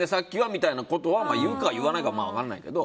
みたいなことは言うか言わないか分からないけど。